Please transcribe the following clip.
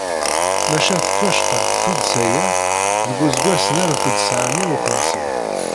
Maca tettwaceqqeq tuddsa-a deg useggas n alef u tesεemya u xemsin.